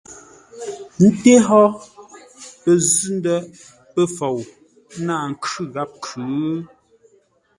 Ńté hó pəzʉ́-ndə̂ pəfou náa khʉ gháp khʉ̌?